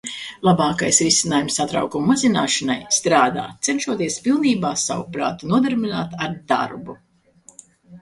Labākais risinājums satraukuma mazināšanai -strādāt, cenšoties pilnībā savu prātu nodarbināt ar darbu.